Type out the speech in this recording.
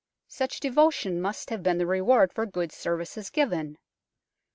Such devotion must have been the reward for good services given.